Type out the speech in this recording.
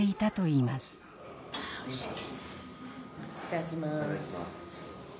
いただきます。